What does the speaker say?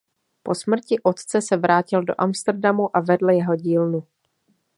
Po smrti otce se vrátil do Amsterdamu a vedl jeho dílnu.